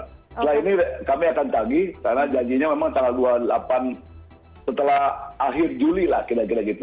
setelah ini kami akan tagih karena janjinya memang tanggal dua puluh delapan setelah akhir juli lah kira kira gitu